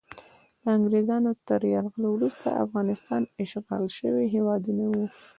د انګریزانو تر یرغل وروسته افغانستان اشغال شوی هیواد نه و.